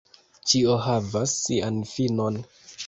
Ĉio havas sian finon.